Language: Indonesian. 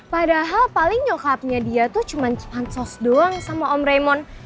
padahal paling nyokapnya dia tuh cuma bansos doang sama om raymond